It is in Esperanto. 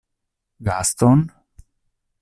Gaston?